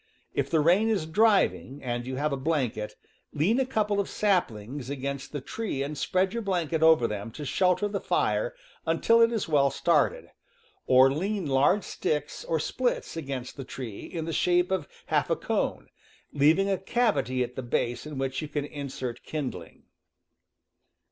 If the rain is driving, and you have a blanket, lean a couple of saplings against the tree and spread your blanket over them to shelter the fire until it is well started, or lean large sticks or splits against the tree, in the shape of half a cone, leaving a cavity at the base in which you can insert kindling.